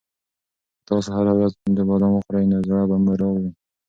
که تاسو هره ورځ پنځه بادام وخورئ نو زړه به مو روغ وي.